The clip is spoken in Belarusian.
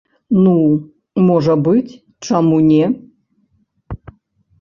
Ну, можа быць, чаму не?